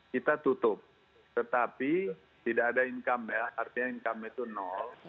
kita tutup tetapi tidak ada income ya artinya income itu nol